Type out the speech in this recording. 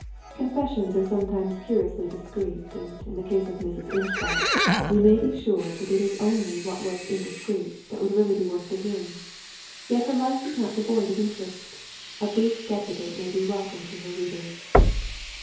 Confessions are sometimes curiously discreet, and, in the case of Mrs. Inchbald, we may be sure that it is only what was indiscreet that would really be worth the hearing. Yet her life is not devoid of interest. A brief sketch of it may be welcome to her readers.